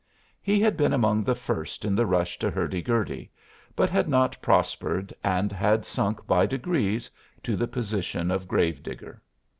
He had been among the first in the rush to Hurdy Gurdy, but had not prospered, and had sunk by degrees to the position of grave digger.